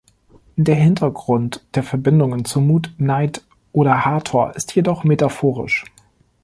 Der Hintergrund der Verbindungen zu Mut, Neith oder Hathor ist jedoch metaphorisch.